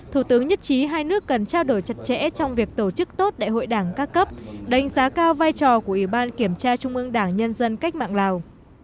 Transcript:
thủ tướng nhất trí hai nước cần trao đổi chặt chẽ trong việc tổ chức tốt đại hội đảng các cấp đánh giá cao vai trò của ủy ban kiểm tra trung ương đảng nhân dân cách mạng lào